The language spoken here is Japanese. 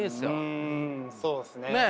うんそうっすね。